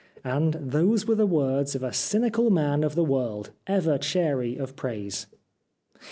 And these were the words of a cynical man of the world, ever chary of praise.